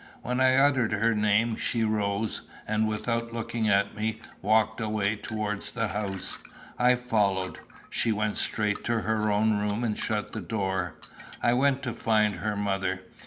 When I uttered her name she rose, and, without looking at me, walked away towards the house. I followed. She went straight to her own room and shut the door. I went to find her mother.